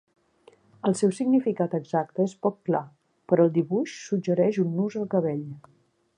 El seu significat exacte és poc clar, però el dibuix suggereix un nus al cabell.